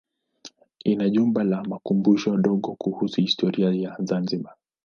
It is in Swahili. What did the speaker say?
Ina jumba la makumbusho dogo kuhusu historia ya Zanzibar.